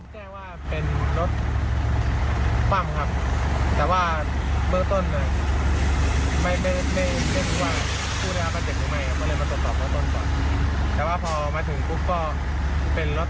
แก้ว่าเป็นรถพำแคร็มครับแต่ว่าเบื้องต้นเลย